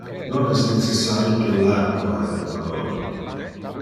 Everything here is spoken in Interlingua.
Non es necessari brillar pro haber valor.